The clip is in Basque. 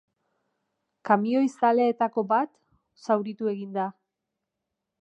Kamioizaleetako bat zauritu egin da.